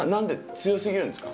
強すぎるんですか？